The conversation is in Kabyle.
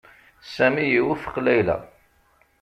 Sami iwufeq Layla.